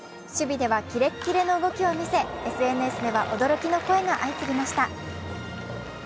守備ではキレッキレの動きを見せＳＮＳでは驚きの声が相次ぎました。